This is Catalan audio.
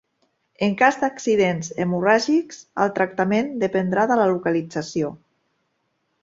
En cas d’accidents hemorràgics, el tractament dependrà de la localització.